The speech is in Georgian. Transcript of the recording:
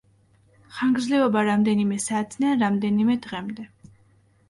ხანგრძლივობა რამდენიმე საათიდან რამდენიმე დღემდე.